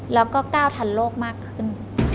แล้วก็ก้าวทันโลกมากขึ้น